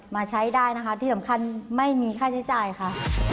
มาใช้ได้นะคะที่สำคัญไม่มีค่าใช้จ่ายค่ะ